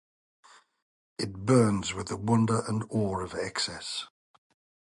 It burns with the wonder and awe of excess.